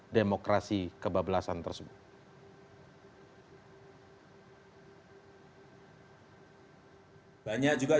demokrasi kita ini sudah terlalu kebablasan